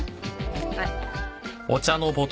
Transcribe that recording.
はい。